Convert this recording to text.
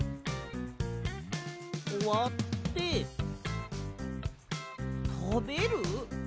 わってたべる？